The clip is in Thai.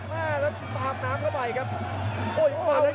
หลัวข้าวสักครั้งน้ำนี้นี้ก็ถอยด้วยครับ